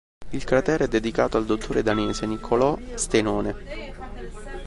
Il cratere è dedicato al dottore danese Niccolò Stenone.